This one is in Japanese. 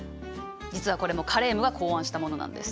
実はこれもカレームが考案したものなんです。